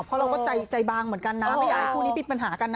เพราะเราก็ใจบางเหมือนกันนะไม่อยากให้คู่นี้ผิดปัญหากันนะ